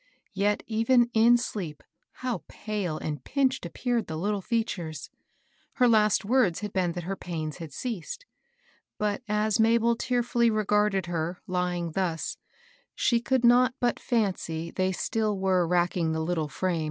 Yet, even in sleep, how pale and pinched appeared the little features 1 Her last words had been that her pains had ceased; but, as Mabel tearfully regarded her, lying thus, she could not but fency they still were racking the little firame.